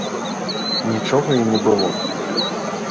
Нічога і не было.